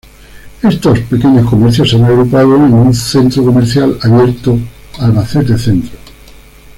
Esos pequeños comercios se han agrupado en un centro comercial abierto Albacete Centro.